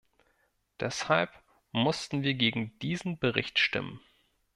Deshalb mussten wir gegen diesen Bericht stimmen.